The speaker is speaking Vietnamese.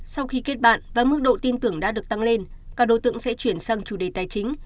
sau khi kết bạn và mức độ tin tưởng đã được tăng lên các đối tượng sẽ chuyển sang chủ đề tài chính